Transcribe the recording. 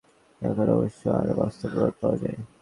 এখন অবশ্য আরও বাস্তব প্রমাণ পাওয়া যায়।